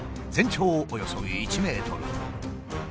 全長およそ１ｍ。